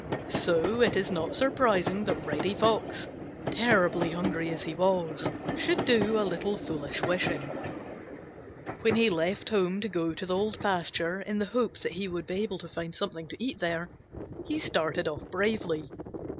So it is not surprising that Reddy Fox, terribly hungry as he was, should do a little foolish wishing. When he left home to go to the Old Pasture, in the hope that he would be able to find something to eat there, he started off bravely.